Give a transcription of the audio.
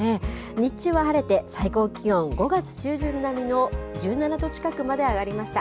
日中は晴れて、最高気温５月中旬並みの１７度近くまで上がりました。